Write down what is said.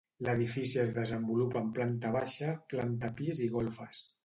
L'edifici es desenvolupa en planta baixa, planta pis i golfes.